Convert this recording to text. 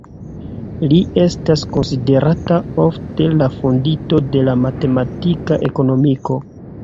Li estas konsiderata ofte la fondinto de la matematika ekonomiko.